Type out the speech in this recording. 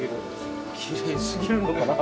きれいすぎるのが。